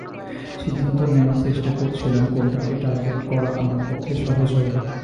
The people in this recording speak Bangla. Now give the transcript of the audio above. সিদ্ধন্ত নেওয়ার চেষ্টা করছিলাম কোনটাকে টার্গেট করা আমার পক্ষে সহজ হবে।